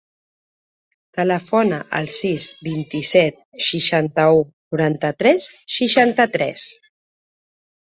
Telefona al sis, vint-i-set, seixanta-u, noranta-tres, seixanta-tres.